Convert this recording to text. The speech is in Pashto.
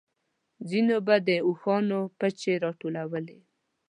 ځينو به د اوښانو پچې راټولولې.